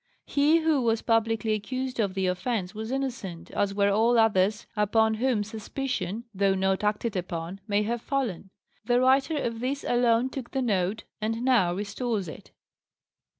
He who was publicly accused of the offence was innocent, as were all others upon whom suspicion (though not acted upon) may have fallen. The writer of this alone took the note, and now restores it."